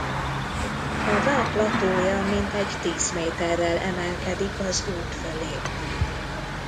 A vár platója mintegy tíz méterrel emelkedik az út fölé.